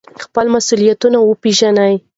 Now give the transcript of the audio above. خپل مسؤلیتونه وپیژنئ.